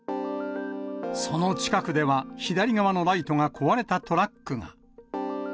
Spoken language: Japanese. その近くでは、左側のライトが壊れたトラックが。